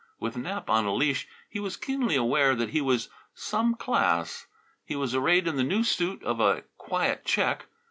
With Nap on a leash he was keenly aware that he was "some class." He was arrayed in the new suit of a quiet check.